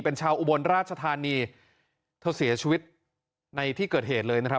เป็นชาวอุบลราชธานีเธอเสียชีวิตในที่เกิดเหตุเลยนะครับ